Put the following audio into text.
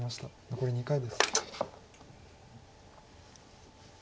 残り２回です。